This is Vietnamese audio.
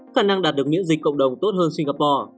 khả năng đạt được miễn dịch cộng đồng tốt hơn singapore